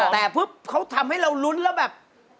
แต่ปุ๊บเขาทำให้เรารุ้นแล้วแบบ